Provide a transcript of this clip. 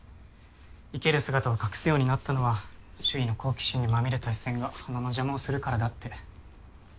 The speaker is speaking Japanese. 生ける姿を隠すようになったのは周囲の好奇心にまみれた視線が花の邪魔をするからだって。